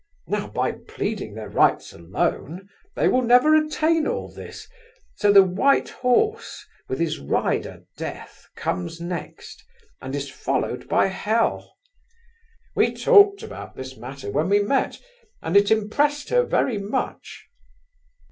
Now by pleading their rights alone, they will never attain all this, so the white horse, with his rider Death, comes next, and is followed by Hell. We talked about this matter when we met, and it impressed her very much."